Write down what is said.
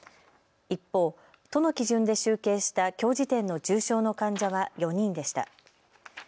一方、都の基準で集計したきょう時点の重症の患者は４人でした。